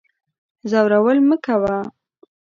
ځورول مکوه